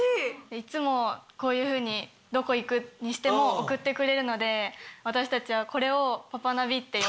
いつもこういうふうにどこ行くにしても送ってくれるので私たちはこれを。